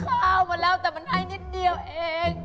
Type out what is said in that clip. เข้ามาแล้วแต่มันให้นิดเดียวเอง